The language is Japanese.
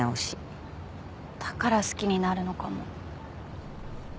だから好きになるのかも。